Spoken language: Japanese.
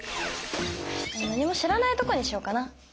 何も知らないとこにしよっかな。